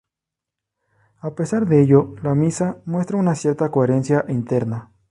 A pesar de ello, la misa muestra una cierta coherencia interna.